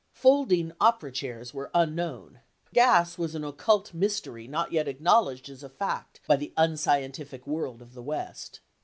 Folding opera chairs were unknown. Gas was an occult mystery not yet acknowledged as a fact by the unscientific world of the West.